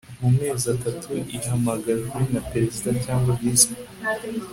mu mezi atatu ihamagajwe na Perezida cyangwa Visi